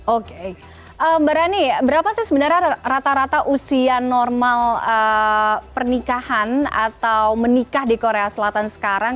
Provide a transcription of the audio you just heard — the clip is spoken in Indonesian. oke mbak rani berapa sih sebenarnya rata rata usia normal pernikahan atau menikah di korea selatan sekarang